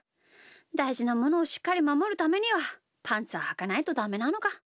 だいじなものをしっかりまもるためにはパンツははかないとダメなのか。